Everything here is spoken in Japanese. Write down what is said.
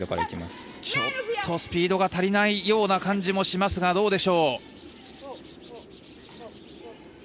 ちょっとスピードが足りないような感じもしますがどうでしょう。